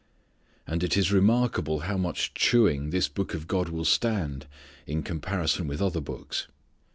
And it is remarkable how much chewing this Book of God will stand, in comparison with other books.